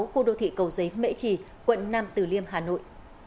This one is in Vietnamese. khu đô thị cầu giấy mễ trì quận nam tử liêm hà nội